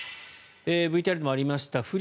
ＶＴＲにもありました